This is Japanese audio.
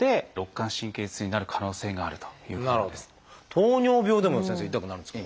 糖尿病でも先生痛くなるんですか？